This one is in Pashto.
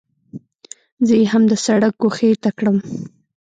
زه یې هم د سړک ګوښې ته کړم.